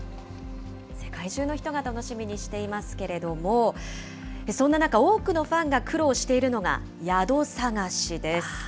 世界中の人が楽しみにしていますけれども、そんな中、多くのファンが苦労しているのが、宿探しです。